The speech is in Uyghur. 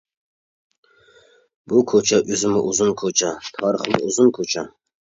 بۇ كوچا ئۆزىمۇ ئۇزۇن كوچا، تارىخىمۇ ئۇزۇن كوچا.